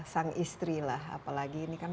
sang istri lah apalagi ini kan